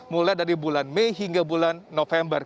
mulai dari bulan mei hingga bulan november